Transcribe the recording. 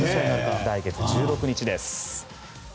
来月１６日です。